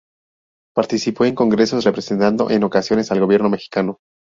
Participó en congresos, representando en ocasiones al gobierno mexicano.